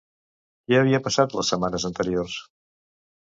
Què havia passat les setmanes anteriors?